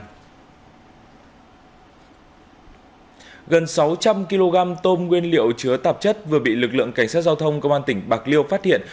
gần sáu trăm linh kg tôm nguyên liệu chứa tạp chất vừa bị lực lượng cảnh sát giao thông công an tỉnh bạc liêu phát hiện